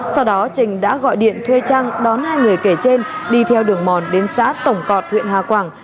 sau đó trình đã gọi điện thuê trăng đón hai người kể trên đi theo đường mòn đến xã tổng cọt huyện hà quảng